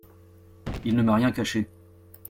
Il ne m'a rien caché.